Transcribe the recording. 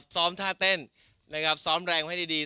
ซ้อมท่าเต้นซ้อมแรงให้ดี